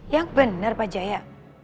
yang benar pak jaya